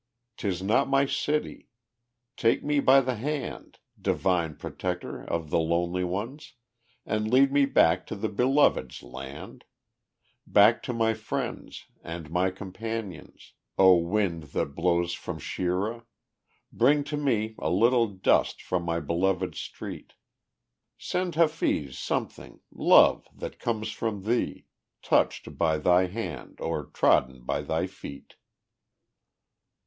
'Tis not my city! Take me by the hand, Divine protector of the lonely ones, And lead me back to the Beloved's land Back to my friends and my companions O wind that blows from Shiraz, bring to me A little dust from my Beloved's street; Send Hafiz something, love, that comes from thee, Touched by thy hand, or trodden by thy feet."